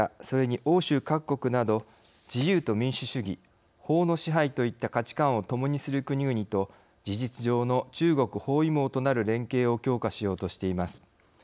それに欧州各国など自由と民主主義、法の支配といった価値観を共にする国々と事実上の中国包囲網となる連携を強化しようとしています。